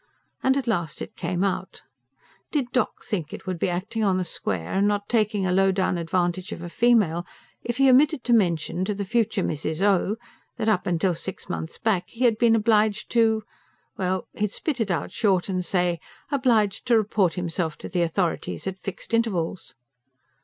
And at last out it came: did "doc." think it would be acting on the square, and not taking a low down advantage of a female, if he omitted to mention to "the future Mrs. O" that, up till six months back, he had been obliged to ... well, he'd spit it out short and say, obliged to report himself to the authorities at fixed intervals?